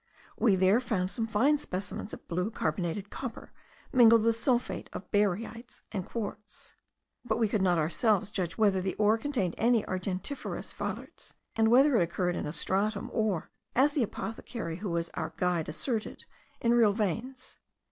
We there found some fine specimens of blue carbonated copper mingled with sulphate of barytes and quartz; but we could not ourselves judge whether the ore contained any argentiferous fahlerz, and whether it occurred in a stratum, or, as the apothecary who was our guide asserted, in real veins.